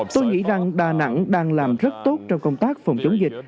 tôi nghĩ rằng đà nẵng đang làm rất tốt trong công tác phòng chống dịch